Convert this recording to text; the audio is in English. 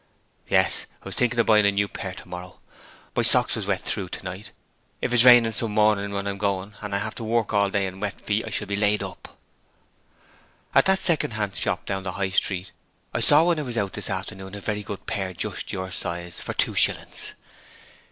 'Yes. I was thinking of buying a new pair tomorrow. My socks was wet through tonight. If it's raining some morning when I'm going out and I have to work all day with wet feet I shall be laid up.' 'At that second hand shop down in High Street I saw when I was out this afternoon a very good pair just your size, for two shillings.'